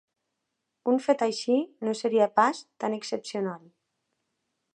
Un fet així no seria pas tan excepcional.